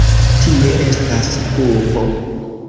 Tie estas pupo.